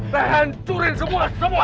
saya akan hancurkan semuanya